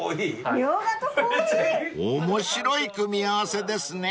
［面白い組み合わせですね］